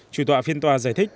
chủ tọa phiên tòa giải thích